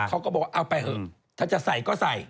เขาก็บอกเอาไปเถอะถ้าจะใส่ก็ใส่